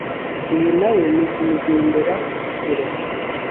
Uyu na we nukumugendera kure